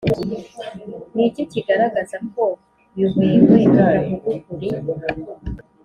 Ni iki kigaragaza ko bihwehwe atavuga ukuri?